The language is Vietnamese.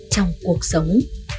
trong cuộc sống